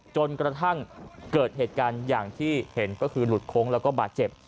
จนกระทั่งเกิดเหตุการณ์อย่างที่เห็นก็คือหลุดโค้งแล้วก็บาดเจ็บ